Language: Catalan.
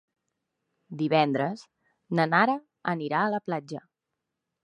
Divendres na Nara anirà a la platja.